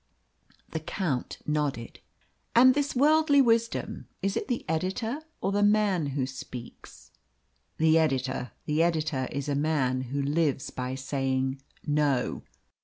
The Count nodded. "And this worldly wisdom is it the editor or the man who speaks?" "The editor. The editor is a man who lives by saying 'No.'"